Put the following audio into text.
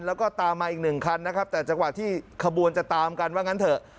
แล้วก็ตามมาอีก๑คันแต่จากว่าที่ขบวนจะตามกันว่างั้นเถอะ